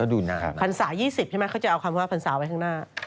ก็ดูหน้าพันศา๒๐ใช่ไหมเขาจะเอาคำว่าพันศาไว้ข้างหน้า